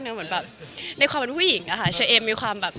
เหมือนแบบในความกันผู้หญิงค่ะ